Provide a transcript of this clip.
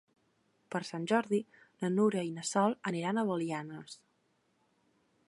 Per Sant Jordi na Núria i na Sol aniran a Belianes.